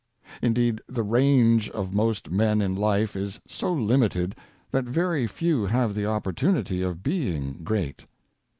Indeed, the range of most men in life is so limited, that very few have the opportunity of being great.